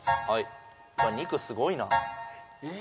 はい肉すごいな・